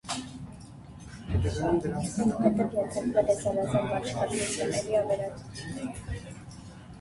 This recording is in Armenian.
Այնուհետև ենթարկվել է զանազան վաչկատուն ցեղերի ավերածություններին։